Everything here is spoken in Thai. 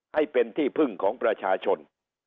ให้เป็นที่พึ่งของประชาชน